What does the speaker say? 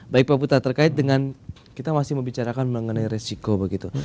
baik pak buta terkait dengan kita masih membicarakan mengenai resiko begitu